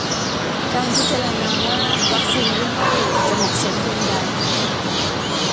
การพิจารณาว่าวัคซีนยี่ห้อหนึ่งจะ "เหมาะสม" เพียงใด